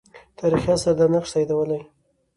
تاریخي آثار دا نقش تاییدولې.